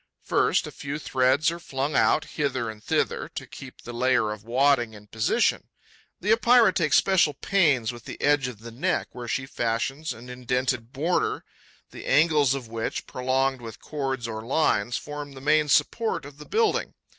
First, a few threads are flung out, hither and thither, to keep the layer of wadding in position. The Epeira takes special pains with the edge of the neck, where she fashions an indented border, the angles of which, prolonged with cords or lines, form the main support of the building.